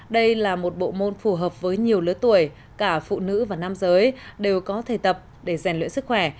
đây là một bộ môn phù hợp với nhiều lứa tuổi cả phụ nữ và nam giới đều có thể tập để rèn luyện sức khỏe